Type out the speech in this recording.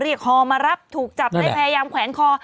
เรียกคอมารับถูกจับและพยายามแขวนคอ